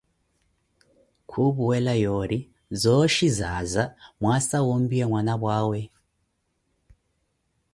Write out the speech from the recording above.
Khupuwela yoori, zooxhi zaaza mwaasa wompiya mwanapwa awe.